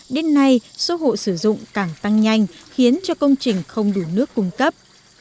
đến nay số hộ sử dụng càng tăng nhanh khiến cho công trình không đủ nước cung cấp